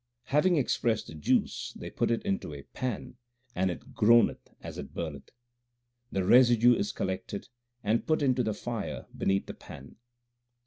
Having expressed the juice, they put it into a pan, and it groaneth as it burneth. The residue is collected and put into the fire beneath the pan.